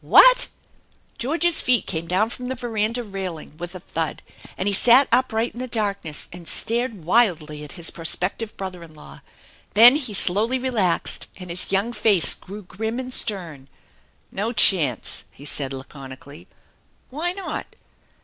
" What ?" George's feet came down from the veranda railing with a thud, and he sat upright in the darkness and stared wildly at his prospective brother in law. Then he slowly relaxed and his young face grew grim and stern. " No chance !" he said laconically. "Why not?"